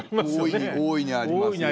いや大いにありますよ。